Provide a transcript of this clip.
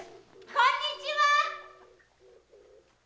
・こんにちは！